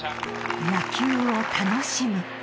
野球を楽しむ。